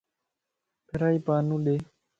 فرائي پانو ڏي